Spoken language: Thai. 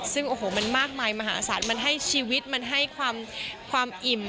ซึ่งโอ้โหมันมากมายมหาศาลมันให้ชีวิตมันให้ความอิ่ม